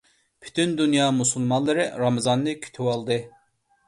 پۈتۈن دۇنيا مۇسۇلمانلىرى رامىزاننى كۈتۈۋالدى.